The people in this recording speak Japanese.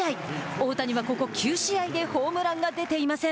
大谷はここ９試合でホームランが出ていません。